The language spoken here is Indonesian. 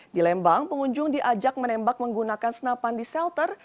di lembang pengunjung diajak menembak menggunakan senapan di shelter